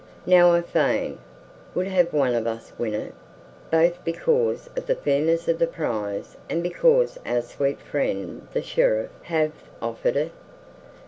Now I fain would have one of us win it, both because of the fairness of the prize and because our sweet friend the Sheriff hath offered it.